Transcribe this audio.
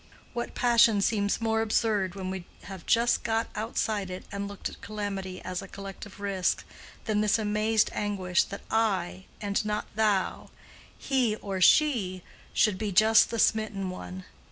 What passion seems more absurd, when we have got outside it and looked at calamity as a collective risk, than this amazed anguish that I and not Thou, He or She, should be just the smitten one?